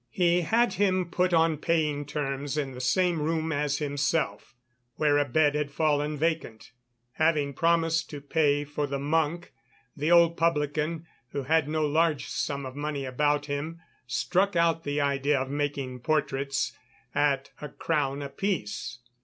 He had him put on paying terms in the same room as himself, where a bed had fallen vacant. Having promised to pay for the monk, the old publican, who had no large sum of money about him, struck out the idea of making portraits at a crown apiece.